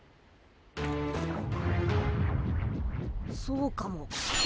そうかも。